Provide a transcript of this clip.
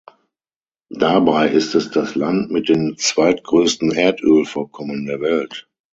Dabei ist es das Land mit den zweitgrößten Erdölvorkommen der Welt.